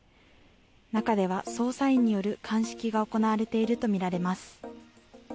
中では捜査員による鑑識が行われているとみられます。